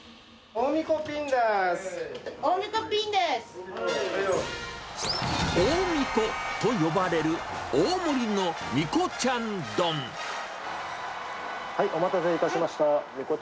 大みこと呼ばれる、お待たせいたしました。